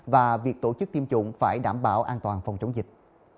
và việc tổ chức tiêm chủng phải đảm bảo an toàn phòng chống dịch